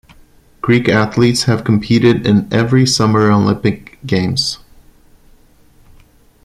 Greek athletes have competed in every Summer Olympic Games.